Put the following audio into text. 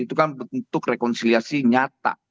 itu kan bentuk rekonsiliasi nyata